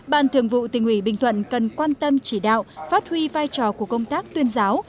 ban thường vụ tỉnh ủy bình thuận cần quan tâm chỉ đạo phát huy vai trò của công tác tuyên giáo